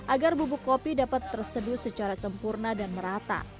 agar bubuk kopi dapat terseduh secara sempurna dan merata